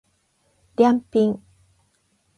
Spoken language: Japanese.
りゃんぴん